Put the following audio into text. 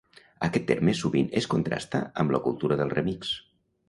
Aquest terme sovint es contrasta amb la cultura del remix.